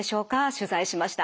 取材しました。